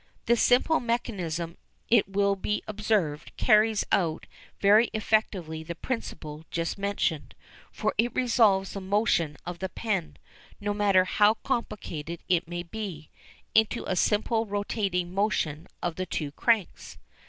This simple mechanism, it will be observed, carries out very effectively the principle just mentioned, for it resolves the motion of the pen, no matter how complicated it may be, into a simple rotating motion of the two cranks.